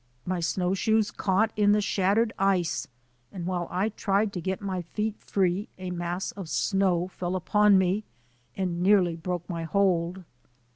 My snow shoes caught in the shattered iee and while I tried to get my feet free a mass of snow fell upon me and nearly broke my hold.